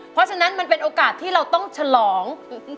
เพราะฉะนั้นมันเป็นโอกาสที่เราต้องฉลอง